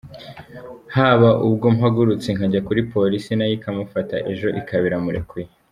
Haba ubwo mpagurutse nkajya kuri polisi, nayo ikamufata, ejo ikaba iramurekuye”.